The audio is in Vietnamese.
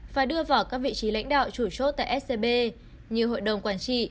và đưa vào các vị trí lãnh đạo chủ chốt tại scb như hội đồng quản trị